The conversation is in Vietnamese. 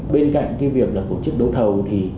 bên cạnh việc là một chiếc đấu thầu